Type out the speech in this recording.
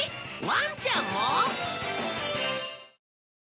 ワンちゃんも？